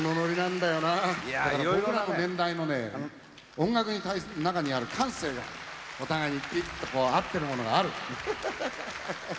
だから僕らの年代のね音楽に中にある感性がお互いにピッとこう合ってるものがある。